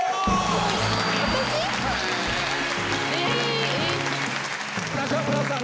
私⁉中村さん